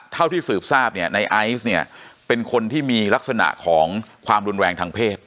เท่าที่สืบทราบเนี่ยในไอซ์เนี่ยเป็นคนที่มีลักษณะของความรุนแรงทางเพศ